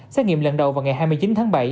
xét nghiệm lần đầu vào ngày hai mươi chín tháng bảy